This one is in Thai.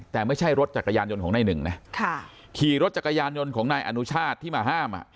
แต่ไม่ใช่รถจักรยานยนต์ของนายหนึ่งนะขี่รถจักรยานยนต์ของนายอนุชาติที่มาห้าม